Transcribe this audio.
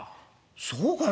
「そうかい？